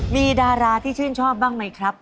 มีดาราที่ชื่นชอบบ้างไหมครับ